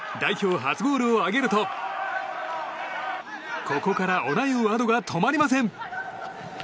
初ゴールを挙げるとここから、オナイウ阿道が止まりません。